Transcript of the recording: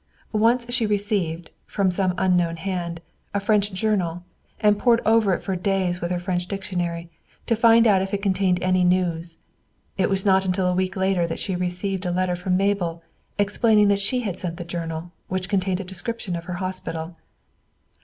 Once she received, from some unknown hand, a French journal, and pored over it for days with her French dictionary, to find if it contained any news. It was not until a week later that she received a letter from Mabel, explaining that she had sent the journal, which contained a description of her hospital.